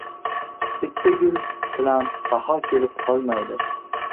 • Bitta gul bilan bahor kelib qolmaydi.